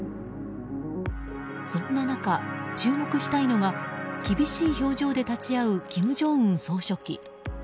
そんな中、注目したいのが厳しい表情で立ち会う金正恩総書記。